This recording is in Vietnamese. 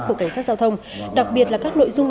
của cảnh sát giao thông đặc biệt là các nội dung